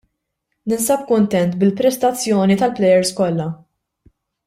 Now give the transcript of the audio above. Ninsab kuntent bil-prestazzjoni tal-plejers kollha.